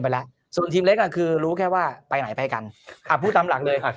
ไปแล้วส่วนทีมเล็กอ่ะคือรู้แค่ว่าไปไหนไปกันอ่ะพูดตามหลักเลย